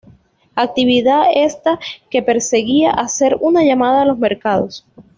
Actividad esta que perseguía hacer una llamada a los mercados.